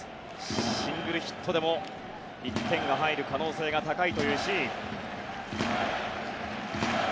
シングルヒットでも１点が入る可能性が高いシーン。